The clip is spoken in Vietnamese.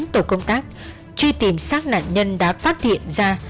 tổ công tác truy tìm xác nạn nhân đã phát hiện ra